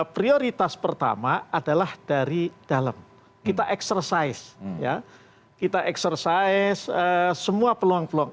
prioritas pertama adalah dari dalam kita eksersis kita eksersis semua peluang peluang